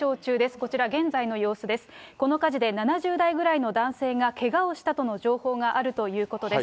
この火事で７０代ぐらいの男性がけがをしたとの情報があるということです。